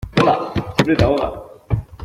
hola. siempre te ahogas